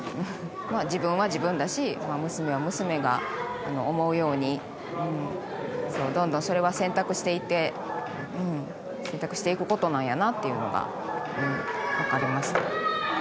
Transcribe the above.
自分は自分だし娘は娘が思うようにどんどんそれは選択していって選択していくことなんやなっていうのがわかりました。